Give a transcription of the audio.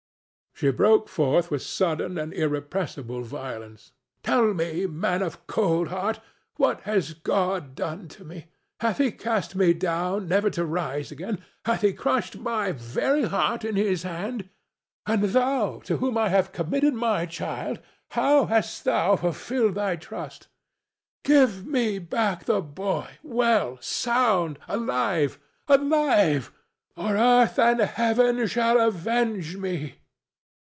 She broke forth with sudden and irrepressible violence: "Tell me, man of cold heart, what has God done to me? Hath he cast me down never to rise again? Hath he crushed my very heart in his hand?—And thou to whom I committed my child, how hast thou fulfilled thy trust? Give me back the boy well, sound, alive—alive—or earth and heaven shall avenge me!"